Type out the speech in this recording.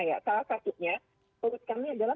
ya salah satunya menurut kami adalah